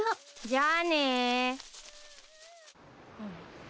じゃあね。